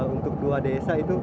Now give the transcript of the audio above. untuk dua desa itu